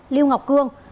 lưu ngọc cương